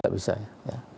tidak bisa ya